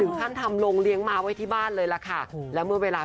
ถึงท่านทำโรงเลียงม้าไว้ที่บ้านเลยละค่ะ